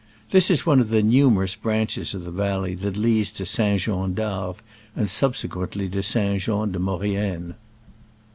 This is one of the numerous branches of the valley that leads to St. Jean d'Arve, and subsequently to St. Jean de Maurienne.